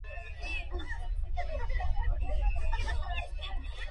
Sauer estuvo casado en dos ocasiones.